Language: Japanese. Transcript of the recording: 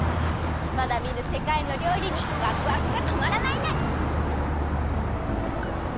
まだみぬせかいのりょうりにワクワクがとまらないね！